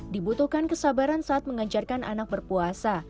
dibutuhkan kesabaran saat mengajarkan anak berpuasa